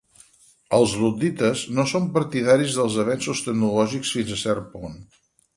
Els luddites no són partidaris dels avenços tecnològics fins a cert punt.